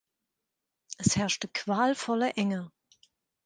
Es herrschte qualvolle Enge.